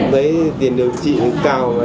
với tiền điều trị cao